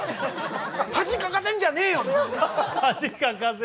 恥かかせるんじゃねえよ！